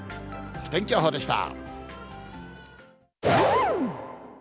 天気予報でした。